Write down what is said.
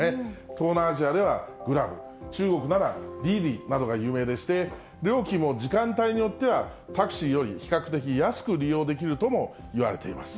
東南アジアではグラブ、中国ならディディなどが有名でして、料金も時間帯によっては、タクシーより比較的安く利用できるともいわれています。